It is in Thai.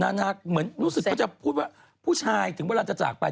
นานาเหมือนอย่างนุ่นสึกจะพูดผู้ชายถึงเวลาจะจากไป